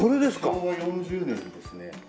昭和４０年にですね。